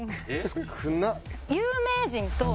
少なっ。